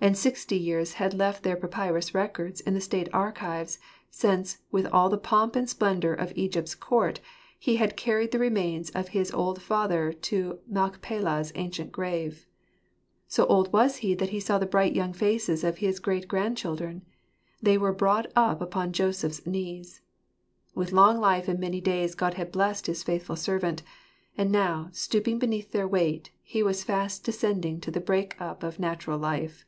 And sixty years had left their papyrus records in the State archives, since, with all the pomp and splendour of Egypt's court, he had carried the remains of his old father to Machpelah's ancient cave. So old was he that he saw the bright young faces of his great grandchildren :" they were brought up upon Joseph's knees." With long life and many days God had blessed his faithful servant. And now, stooping beneath their weight, he was fast descending to the break up of natural life.